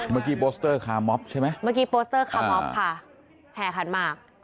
เมื่อกี้โปสเตอร์คาม๊อบใช่ไหมเมื่อกี้โปสเตอร์คาม๊อบค่ะแห่ขันมาก